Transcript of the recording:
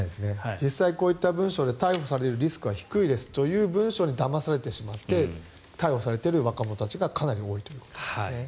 実際、こういった文章で逮捕されるリスクは低いですという文章にだまされてしまって逮捕されてる若者たちがかなり多いということですね。